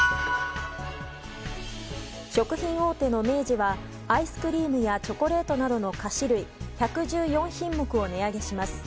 食品大手の明治はアイスクリームやチョコレートなどの菓子類１１４品目を値上げします。